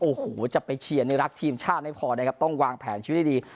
โอ้โหจะไปเชียร์นี่รักทีมชาติไม่พอนะครับต้องวางแผนชีวิตให้ดี